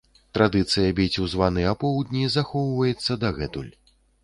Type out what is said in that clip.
Традыцыя біць у званы апоўдні захоўваецца дагэтуль.